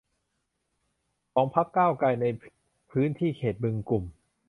ของพรรคก้าวไกลในพื้นที่เขตบึงกุ่ม